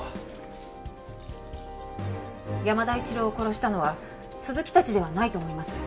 山田一郎を殺したのは鈴木たちではないと思います。